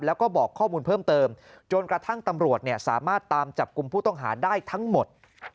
แล้วก็บอกข้อมูลเพิ่มเติมจนกระทั่งตำรวจสามารถตามจับกลุ่มผู้ต้องหาได้ทั้งหมด